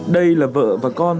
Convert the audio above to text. đây là vợ và con